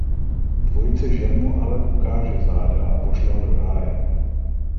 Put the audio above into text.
Dvojice žen mu ale ukáže záda a pošle ho do háje.